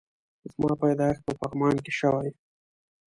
زما پيدايښت په پغمان کی شوي